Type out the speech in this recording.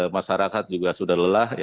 masyarakat juga sudah lelah